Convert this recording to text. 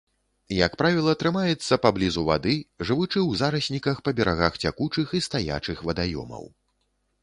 Як правіла, трымаецца паблізу вады, жывучы ў зарасніках па берагах цякучых і стаячых вадаёмаў.